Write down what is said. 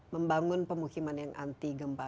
membangun pemukiman yang anti gempa